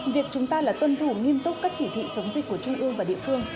việc chúng ta là tuân thủ nghiêm túc các chỉ thị chống dịch của trung ương và địa phương